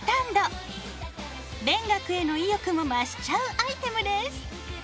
勉学への意欲も増しちゃうアイテムです。